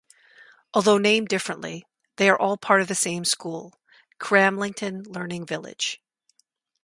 Although named differently, they are all part of the same school; Cramlington Learning Village.